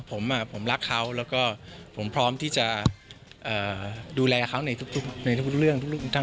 ผมรักเขาแล้วก็ผมพร้อมที่จะดูแลเขาในทุกเรื่องทุกท่าน